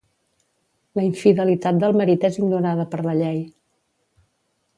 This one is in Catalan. La infidelitat del marit és ignorada per la llei.